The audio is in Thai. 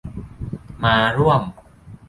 มาร่วม